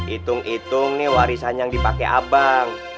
itung itung nih warisannya yang dipake abang